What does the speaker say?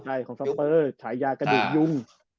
ใช่ของซัมเปอร์ฉายากระดูกยุ่ง